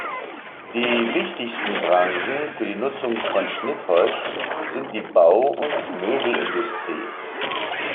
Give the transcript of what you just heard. Die wichtigsten Branchen für die Nutzung von Schnittholz sind die Bau- und Möbelindustrie.